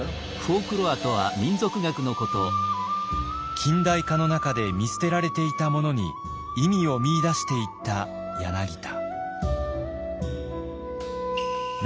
近代化の中で見捨てられていたものに意味を見いだしていった柳田。